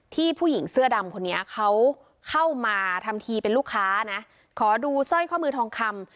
ผู้หญิงเสื้อดำคนนี้เขาเข้ามาทำทีเป็นลูกค้านะขอดูสร้อยข้อมือทองคำ